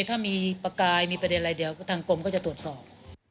ถ้ามีประกายมีประเด็นอะไรเดี๋ยวก็ทางกรมก็จะตรวจสอบ